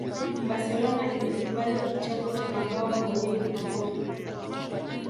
barcelona ilikubali kichapo cha mabao mawili kwa moja